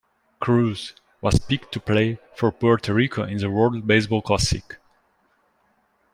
Cruz was picked to play for Puerto Rico in the World Baseball Classic.